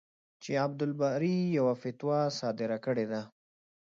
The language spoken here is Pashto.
چې عبدالباري یوه فتوا صادره کړې ده.